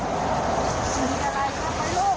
มีอะไรทำมาลูก